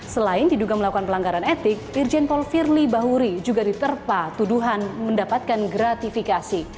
selain diduga melakukan pelanggaran etik irjen paul firly bahuri juga diterpa tuduhan mendapatkan gratifikasi